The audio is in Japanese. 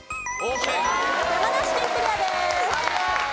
山梨県クリアです。